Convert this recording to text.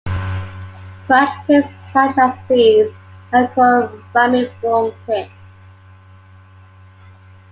Branched pits such as these are called ramiform pits.